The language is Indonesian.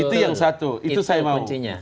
itu yang satu itu saya mau